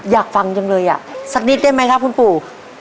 อยากฟังจังเลยอ่ะสักนิดได้ไหมครับคุณปู่